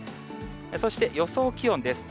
そして、予想気温です。